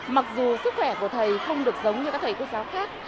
mặc dù sức khỏe của thầy không được giống như các thầy cô giáo khác